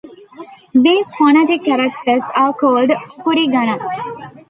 These phonetic characters are called okurigana.